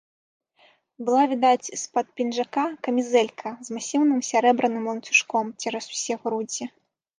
Была відаць з-пад пінжака камізэлька з масіўным сярэбраным ланцужком цераз усе грудзі.